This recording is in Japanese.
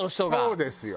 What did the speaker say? そうですよ。